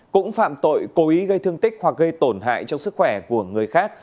cũng phạm tội cố ý gây thương tích hoặc gây tổn hại cho sức khỏe của người khác